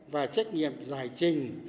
và trách nhiệm giải trình